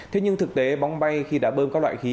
thế nhưng thực tế bóng bay khi đã bơm các loại khí